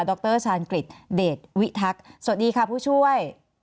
รชาญกฤษเดชวิทักษ์สวัสดีค่ะผู้ช่วย